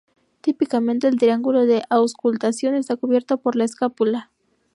Típicamente, el Triángulo de Auscultación está cubierto por la escápula.